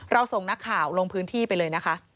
ส่งนักข่าวลงพื้นที่ไปเลยนะคะ